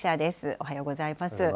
おはようございます。